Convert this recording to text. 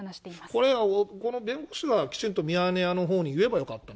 これ、この弁護士がきちんとミヤネ屋のほうに言えばよかった。